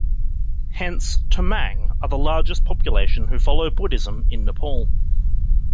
Hence, Tamang are the largest population who follow Buddhism in Nepal.